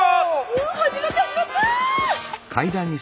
お始まった始まった！